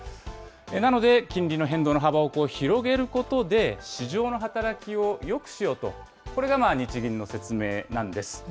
なので、金利の変動の幅を広げることで、市場の働きをよくしようと、これが日銀の説明なんです。